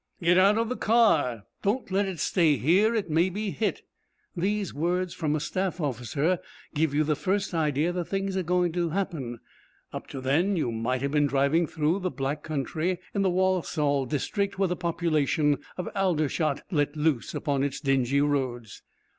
'Get out of the car. Don't let it stay here. It may be hit.' These words from a staff officer give you the first idea that things are going to happen. Up to then you might have been driving through the black country in the Walsall district with the population of Aldershot let loose upon its dingy roads.